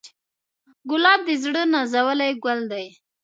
ګلاب د زړه نازولی ګل دی.